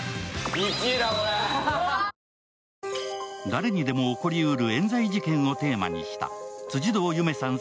誰にでも起こりうるえん罪事件をテーマにした辻堂ゆめさん